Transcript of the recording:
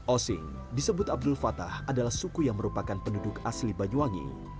osing disebut abdul fatah adalah suku yang merupakan penduduk asli banyuwangi